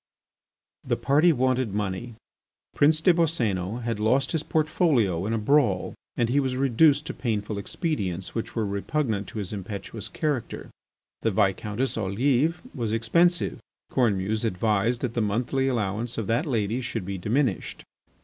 The party wanted money. Prince des Boscénos had lost his portfolio in a brawl and he was reduced to painful expedients which were repugnant to his impetuous character. The Viscountess Olive was expensive. Cornemuse advised that the monthly allowance of that lady should be diminished.